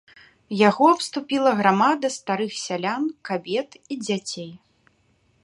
Яго абступіла грамада старых сялян, кабет і дзяцей.